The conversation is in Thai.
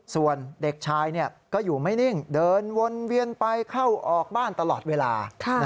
ส่วนเด็กชายก็อยู่ไม่นิ่งเดินวนเวียนไปเข้าออกบ้านตลอดเวลา